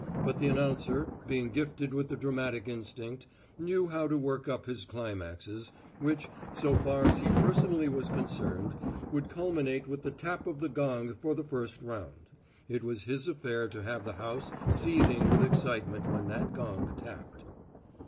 But the announcer, being gifted with the dramatic instinct, knew how to work up his climaxes, which, so far as he personally was concerned, would culminate with the tap of the gong for the first round. It was his affair to have the house seething with excitement when that gong tapped.